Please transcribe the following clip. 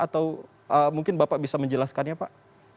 atau mungkin bapak bisa menjelaskannya pak